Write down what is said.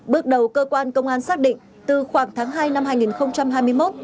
bước đầu cơ quan công an xác định từ khoảng tháng hai năm hai nghìn hai mươi một